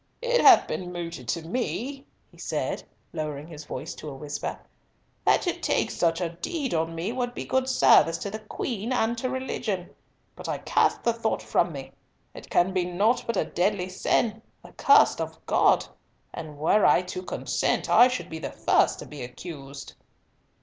"It hath been mooted to me," he said, lowering his voice to a whisper, "that to take such a deed on me would be good service to the Queen and to religion, but I cast the thought from me. It can be nought but a deadly sin—accursed of God—and were I to consent, I should be the first to be accused."